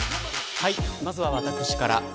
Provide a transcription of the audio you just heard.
まずは私から。